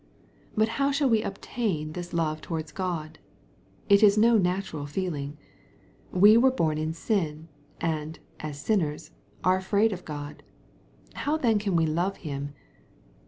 But how shall we obtain this love towards God ? It ifl no natural feeling. We are born in sin, and, as sinnersj are afraid of God. How then can we love Him